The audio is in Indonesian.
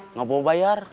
nggak mau bayar